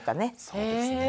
そうですね。